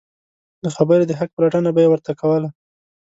د خبرې د حق پلټنه به یې ورته کوله.